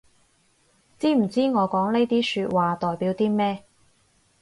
知唔知我講呢啲說話代表啲咩